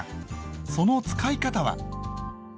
その使い方は？